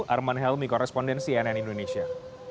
arman helmi korespondensi nn indonesia